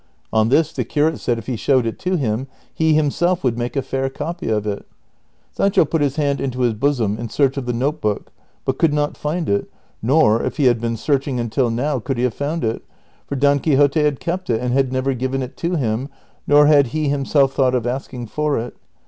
On this the curate said if he showed it to him, he himself would make a fair copy of it. Sancho put his hand into his bosom in search of the note book but could not find it, nor, if he had been searching until now, could he have found it, for Don Quixote had kept it, and had never given it to him, nor had he himself thought of asking for it.